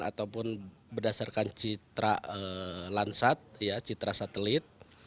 ataupun berdasarkan citra lansat citra satelit